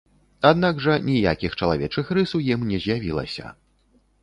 Аднак жа ніякіх чалавечых рыс у ім не з'явілася.